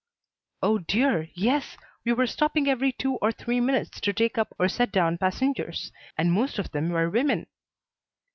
"Oh dear, yes. We were stopping every two or three minutes to take up or set down passengers; and most of them were women."